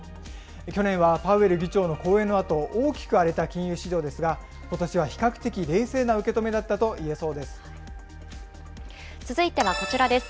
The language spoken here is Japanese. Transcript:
去年はパウエル議長の講演のあと、大きく荒れた金融市場ですが、ことしは比較的冷静な受け止めだっ続いてはこちらです。